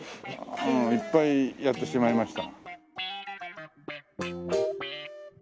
いっぱいやってしまいました。